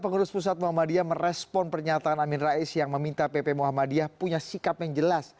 pengurus pusat muhammadiyah merespon pernyataan amin rais yang meminta pp muhammadiyah punya sikap yang jelas